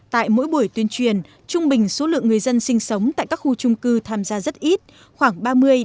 tại mỗi buổi tuyên truyền trung bình số lượng người dân sinh sống tại các khu trung cư tham gia rất ít khoảng ba mươi ba mươi